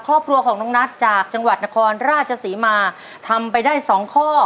ครอบครัวของน้องนัทจากจังหวัดนครราชศรีมาทำไปได้สองข้อ